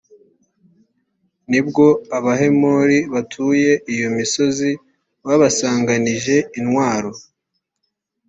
ni bwo abahemori batuye iyo misozi babasanganije intwaro